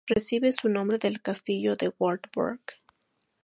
Recibe su nombre del castillo de Wartburg.